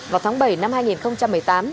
vào tháng bảy năm hai nghìn một mươi tám